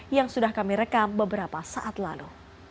yang sudah kami rekam beberapa saat lalu